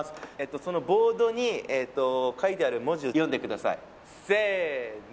そのボードに書いてある文字を読んでくださいせーの！